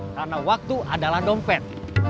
karena waktu adalah dompet